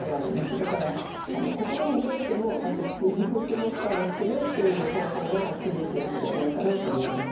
だから心にとってもあと子宮にとっても負担が少ないっていう方法が中絶薬ではないかなと思います。